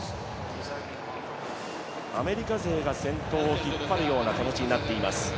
アメリカ勢が先頭を引っ張るような展開になっています。